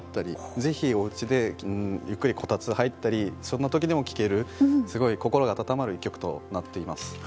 ぜひ、おうちでゆっくりこたつに入ったりそんな時でも聞けるすごい心が温まる１曲となっています。